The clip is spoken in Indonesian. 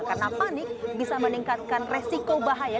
karena panik bisa meningkatkan resiko bahaya